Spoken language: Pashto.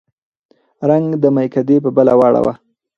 رنګ د مېکدې په بله واړوه